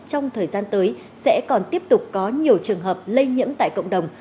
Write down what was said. trong thời gian tới sẽ còn tiếp tục có nhiều trường hợp lây nhiễm tại cộng đồng